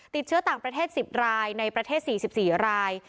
ติดเชื้อต่างประเทศ๑๐รายในประเทศ๔๔ราย